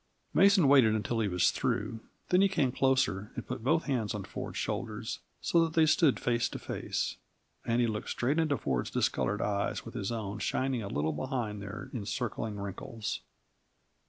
Mason waited until he was through. Then he came closer and put both hands on Ford's shoulders, so that they stood face to face, and he looked straight into Ford's discolored eyes with his own shining a little behind their encircling wrinkles.